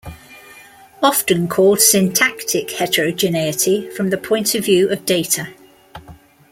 Often called syntactic heterogeneity from the point of view of data.